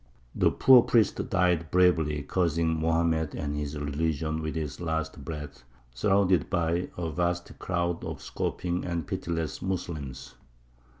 The poor priest died bravely, cursing Mohammed and his religion with his last breath, surrounded by a vast crowd of scoffing and pitiless Moslems.